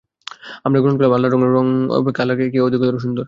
আমরা গ্রহণ করলাম আল্লাহর রং, রঙে আল্লাহ অপেক্ষা কে অধিকতর সুন্দর?